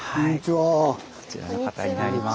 はいこちらの方になります。